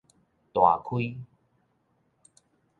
大開